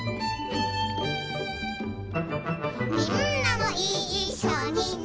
「みんなもいっしょにね」